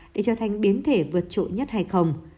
để trở thành biến thể vượt trội nhất hay không